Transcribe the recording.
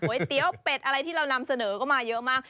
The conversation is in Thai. เตี๋ยวเป็ดอะไรที่เรานำเสนอก็มาเยอะมาก